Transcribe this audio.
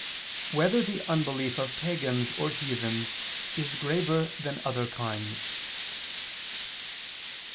6] Whether the Unbelief of Pagans or Heathens Is Graver Than Other Kinds?